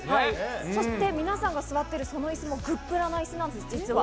そして皆さんが座ってる、そのいすもグップラないすなんです、実は。